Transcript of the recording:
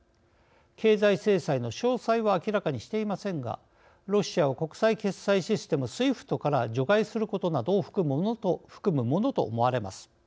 経済制裁の詳細は明らかにしていませんがロシアを国際決済システムＳＷＩＦＴから除外することなどを含むものと思われます。